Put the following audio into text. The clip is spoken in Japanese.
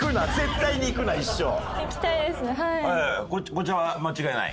こちらは間違いない？